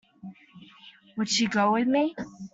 Would she go with me?